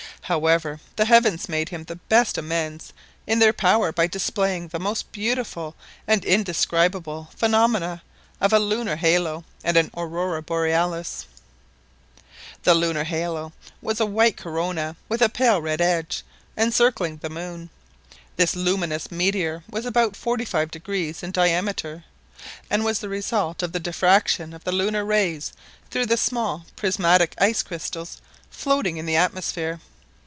However, the heavens made him the best amends in their power by displaying the most beautiful and indescribable phenomena of a lunar halo and an Aurora Borealis. The lunar halo was a white corona with a pale red edge encircling the moon. This luminous meteor was about forty five degrees in diameter, and was the result of the diffraction of the lunar rays through the small prismatic ice crystals floating in the atmosphere.